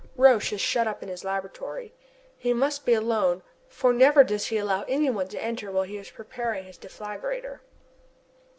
Roch is shut up in his laboratory. He must be alone, for never does he allow any one to enter while he is preparing his deflagrator.